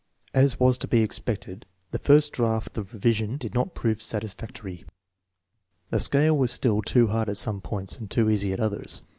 As was to be expected, the first draft of the revision did not prove satisfactory. The scale was still too hard at some points, and too easy at others.